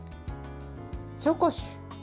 紹興酒。